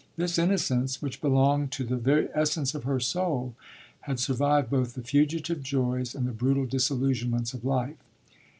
This innocence, which belonged to the very essence of her soul, had survived both the fugitive joys and the brutal disillusionments of life.